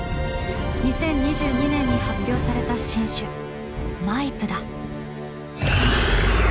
２０２２年に発表された新種マイプだ。